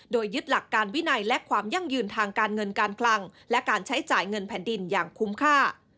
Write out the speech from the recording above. โดยยึดหลักการวินัยและความยั่งยืนทางการเงินการคลังและการใช้จ่ายเงินแผ่นดินอย่างคุ้มค่า